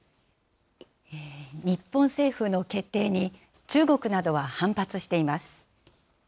日本政府の決定に、中国などは反発しています。